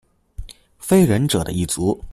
非人者的一族。